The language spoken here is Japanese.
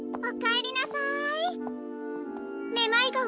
おかえりなさい。